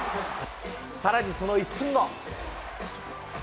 さらにその１分後。